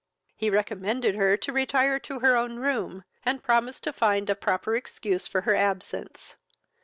He recommended her to retire to her own room, and promised to find a proper excuse for her absence.